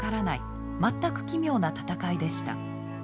全く奇妙な戦いでした。